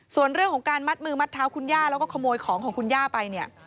ส่วนเรื่องของการมัดมือมัดเท้าคุณย่าแล้วก็ขโมยของของคุณย่าไปเนี่ย